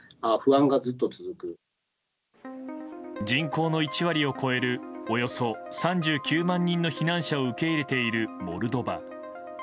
人口の１割を超えるおよそ３９万人の避難者を受け入れているモルドバ。